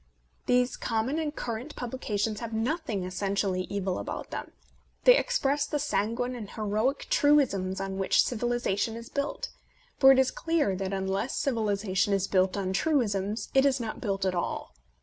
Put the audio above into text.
These com mon and current publications have nothing essentially evil about them. They express the sanguine and heroic truisms on which civilization is built ; for it is clear that un less civilization is built on truisms, it is not built at all.